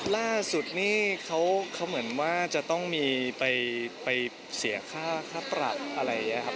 ล่าสุดนี่เขาเหมือนว่าจะต้องมีไปเสียค่าปรับอะไรอย่างนี้ครับ